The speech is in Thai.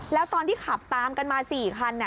แล้วตอนที่ขับตามกันมา๔คัน